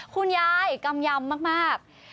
คุณยายกำยำมาก